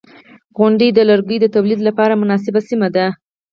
• غونډۍ د لرګیو د تولید لپاره مناسبه سیمه ده.